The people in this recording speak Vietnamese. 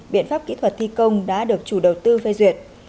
biện pháp kỹ thuật thi công đã được chủ đầu tư phê duyệt